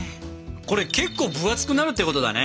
これ結構分厚くなるってことだね。